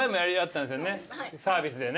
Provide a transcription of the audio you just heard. サービスでね。